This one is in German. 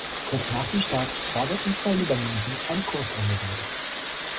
Kurz nach dem Start forderten zwei Libanesen eine Kursänderung.